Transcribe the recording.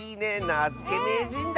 なづけめいじんだ！